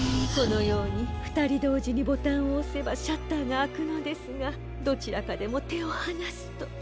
このようにふたりどうじにボタンをおせばシャッターがあくのですがどちらかでもてをはなすと。